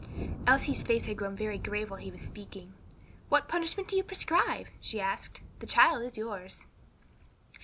Elsie's face had grown very grave while he was speaking. "What punishment do you prescribe?" she asked. "The child is yours."